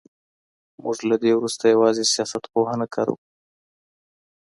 موږ له دې وروسته يوازي سياست پوهنه کاروو.